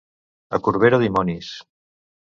A Corbera, dimonis.